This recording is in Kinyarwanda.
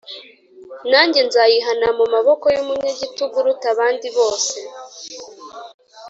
nanjye nzayihana mu maboko y umunyagitugu uruta abandi bose